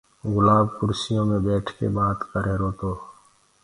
گُلآب ڪُرسيو مي ٻيٺڪي بآت ڪريهروتو